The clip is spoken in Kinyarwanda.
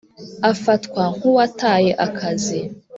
Afatwa nk uwataye akazi